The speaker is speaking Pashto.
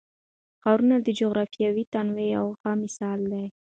ښارونه د جغرافیوي تنوع یو ښه مثال دی.